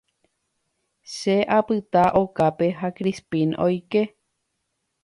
Che apyta okápe ha Crispín oike.